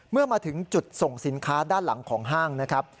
เมื่อมาถึงจุดส่งสินค้าด้านหลังของห้างนะครับ